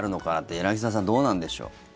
柳澤さん、どうなんでしょう。